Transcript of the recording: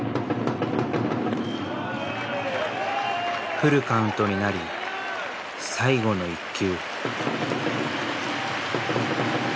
フルカウントになり最後の一球。